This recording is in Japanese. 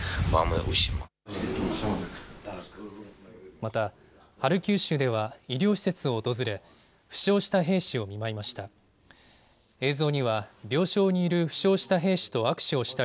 またハルキウ州では医療施設を訪れ負傷した兵士を見舞いました。